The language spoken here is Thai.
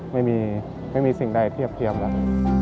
ไม่มีสิ่งใดเทียบเทียบแล้ว